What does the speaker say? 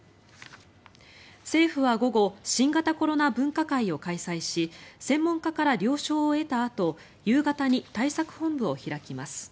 政府は午後新型コロナ分科会を開催し専門家から了承を得たあと夕方に対策本部を開きます。